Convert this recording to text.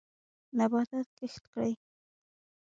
نباتات کښت کړئ.